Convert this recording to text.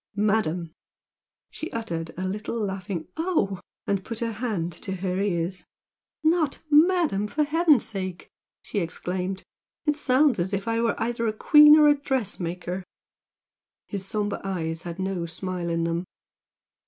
"Madam " She uttered a little laughing "Oh!" and put her hand to her ears. "Not 'Madam' for heaven's sake!" she exclaimed; "It sounds as if I were either a queen or a dressmaker!" His sombre eyes had no smile in them.